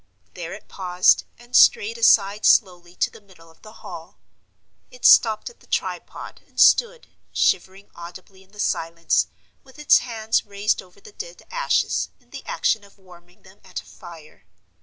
There it paused, and strayed aside slowly to the middle of the Hall. It stopped at the tripod, and stood, shivering audibly in the silence, with its hands raised over the dead ashes, in the action of warming them at a fire.